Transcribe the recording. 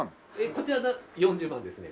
こちら４０万ですね。